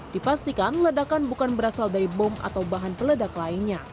dipastikan ledakan bukan berasal dari bom atau bahan peledak lainnya